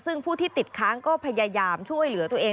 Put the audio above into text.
ซึ่งผู้ที่ติดค้างก็พยายามช่วยเหลือตัวเอง